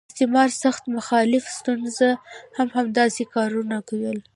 استعمار سخت مخالف سټیونز هم همداسې کارونه کول.